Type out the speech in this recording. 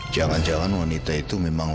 jangan jangan wanita itu memang